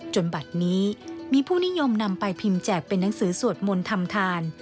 บัตรนี้มีผู้นิยมนำไปพิมพ์แจกเป็นนังสือสวดมนต์ทำทาน